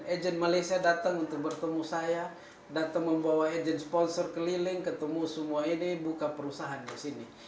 agent malaysia datang untuk bertemu saya datang membawa agent sponsor keliling ketemu semua ini buka perusahaan di sini